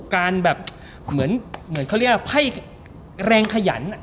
การแบบเหมือนเขาเรียกว่าไพ่แรงขยัน